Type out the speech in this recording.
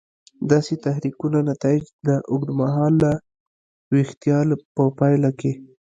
داسې تحریکونو نتایج د اوږد مهاله ویښتیا په پایله کې.